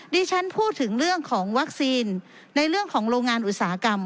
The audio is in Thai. ดิฉันพูดถึงเรื่องของวัคซีนในเรื่องของโรงงานอุตสาหกรรม